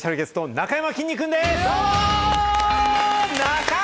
なかやまきんに君です。